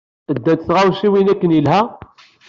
Ddant tɣawsiwin akken yelha?